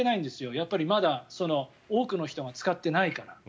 やっぱりまだ多くの人が使ってないから。